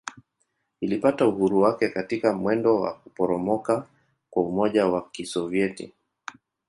Ilipata uhuru wake katika mwendo wa kuporomoka kwa Umoja wa Kisovyeti.